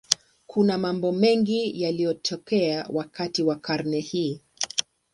Kuna mambo mengi yaliyotokea wakati wa karne hii.